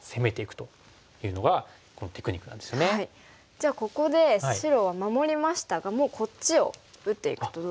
じゃあここで白は守りましたがもうこっちを打っていくとどうですか？